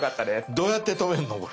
どうやって止めんのこれ？